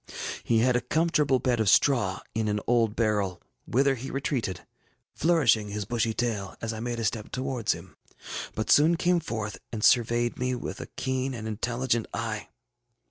He had a comfortable bed of straw in an old barrel, whither he retreated, flourishing his bushy tail as I made a step towards him, but soon came forth and surveyed me with a keen and intelligent eye.